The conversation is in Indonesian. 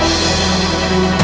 gak ada apa yang berakhir